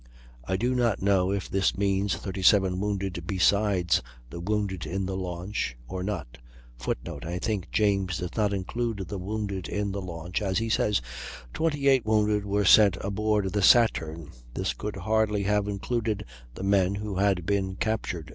I do not know if this means 37 wounded, besides the wounded in the launch, or not [Footnote: I think James does not include the wounded in the launch, as he says 28 wounded were sent aboard the Saturn; this could hardly have included the men who had been captured.